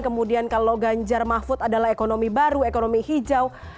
kemudian kalau ganjar mahfud adalah ekonomi baru ekonomi hijau